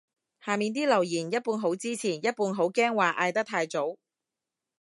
下面啲留言一半好支持一半好驚話嗌得太早